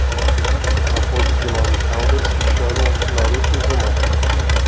A raposa de nove caudas se chama Naruto Uzumaki